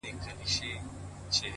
• که یې لمبو دي ځالګۍ سوځلي,